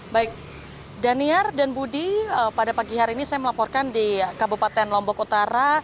baik daniar dan budi pada pagi hari ini saya melaporkan di kabupaten lombok utara